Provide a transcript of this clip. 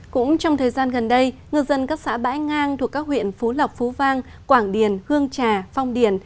cũng trong thời gian gần đây ngư dân các xã bãi ngang thuộc các huyện phú lộc phú vang quảng điền hương trà phong điền